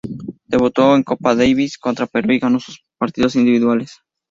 Debutó en Copa Davis contra Perú y ganó sus dos partidos de individuales.